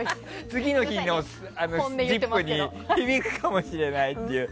次の日の「ＺＩＰ！」に響くかもしれないっていう。